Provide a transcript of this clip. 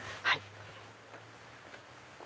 はい。